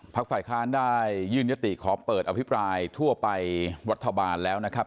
ฝ่ายค้านได้ยื่นยติขอเปิดอภิปรายทั่วไปรัฐบาลแล้วนะครับ